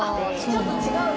ちょっと違う。